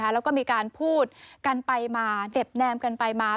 แล้วก็มีการพูดกันไปมาเน็บแนมกันไปมา